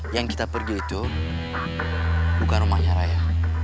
yang kita pergi itu bukan rumahnya raya